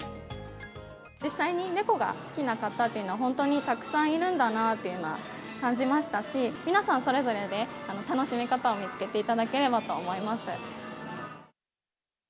実際に猫が好きな方っていうのは、本当にたくさんいるんだなというのは感じましたし、皆さんそれぞれで楽しみ方を見つけていただければと思います。